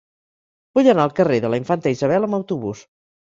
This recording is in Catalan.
Vull anar al carrer de la Infanta Isabel amb autobús.